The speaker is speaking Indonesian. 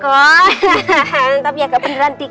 gak keteran keteran tapi agak keteran dikit